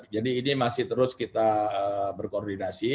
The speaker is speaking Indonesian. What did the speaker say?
jadi ini masih terus kita berkoordinasi